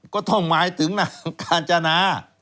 ก็ต้องหมายถึงนางกาญจนา